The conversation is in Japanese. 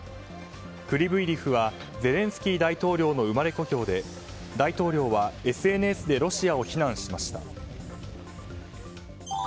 クリブイリフはゼレンスキー大統領の生まれ故郷で大統領はＳＮＳでロシアを非難しました。